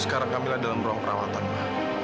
sekarang kamila dalam ruang perawatan ma